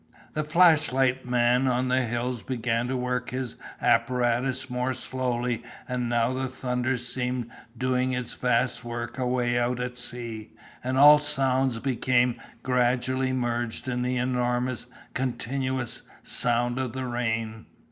The flashlight man on the hills began to work his apparatus more slowly and now the thunder seemed doing its vast work away out at sea and all sounds became gradually merged in the enormous, continuous sound of the rain.